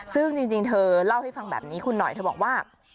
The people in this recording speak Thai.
ซึ่งจริงเธอเล่าให้ฟังแบบนี้คุณหน่อยเธอบอกว่า